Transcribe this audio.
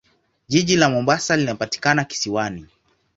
Jiji la Mombasa linapatikana kisiwani.